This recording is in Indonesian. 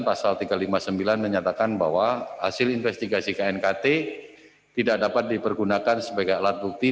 pasal tiga ratus lima puluh sembilan menyatakan bahwa hasil investigasi knkt tidak dapat dipergunakan sebagai alat bukti